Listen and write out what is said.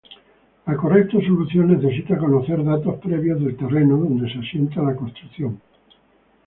La correcta solución necesita conocer datos previos del terreno donde se asienta la construcción.